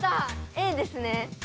「Ａ」ですね。